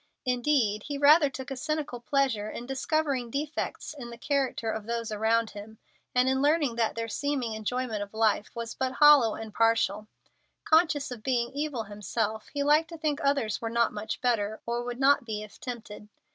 Indeed, he rather took a cynical pleasure in discovering defects in the character of those around him, and in learning that their seeming enjoyment of life was but hollow and partial. Conscious of being evil himself, he liked to think others were not much better, or would not be if tempted.